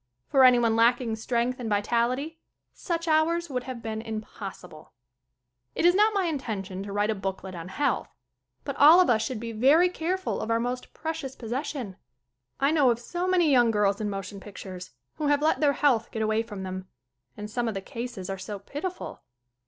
For anyone lacking strength and vitality such hours would have been impossible. It is not my intention to write a booklet on health. But all of us should be very careful of our most precious possession. I know of so many young girls in motion pictures who have let their health get away from them. And some of the cases are so pitiful.